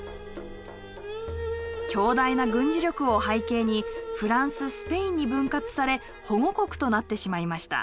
強大な軍事力を背景にフランススペインに分割され保護国となってしまいました。